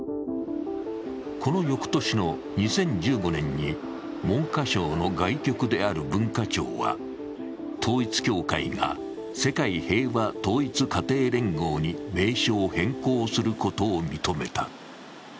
この翌年の２０１５年に、文科省の外局である文化庁は、統一教会が世界平和統一家庭連合に名称を変更することを認めた。